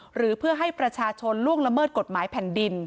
หรือเพื่อให้ประชาชนล่วงละเมิดกฎหมายแผ่นดิน